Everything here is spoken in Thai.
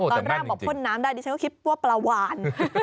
ตอนแรกบอกพ่นน้ำได้ดิฉันก็คิดว่าปลาวาน